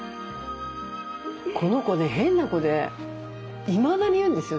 この子ね変な子でいまだに言うんですよ